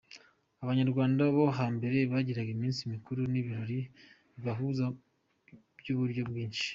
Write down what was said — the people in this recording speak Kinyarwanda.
Abanyarwanda bo hambere bagiraga iminsi mikuru n’ibirori bibahuza by’uburyo bwinshi.